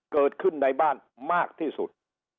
เกิดขึ้นในบ้านมากที่สุด